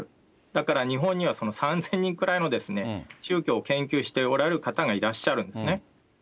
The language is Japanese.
だから日本には３０００人くらいの宗教を研究しておられる方がいらっしゃるんですね。